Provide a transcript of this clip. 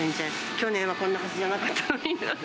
去年はこんなはずじゃなかったのに。